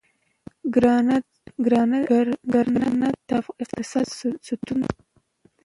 کرنه د اقتصاد ستون ده.